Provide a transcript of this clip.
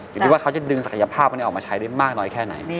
อยู่ที่ว่าเขาจะดึงศักยภาพนี้ออกมาใช้ได้มากน้อยแค่ไหน